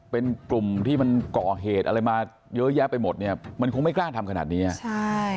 เป็นกลุ่มที่มันก่อเหตุอะไรมาเยอะแยะไปหมดเนี่ยมันคงไม่กล้าทำขนาดนี้อ่ะใช่